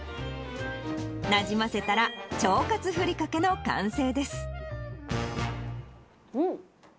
なじませたら、腸活ふりかけの完うん！